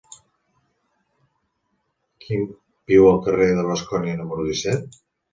Qui viu al carrer de Bascònia número disset?